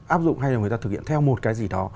áp dụng hay là người ta thực hiện theo một cái gì đó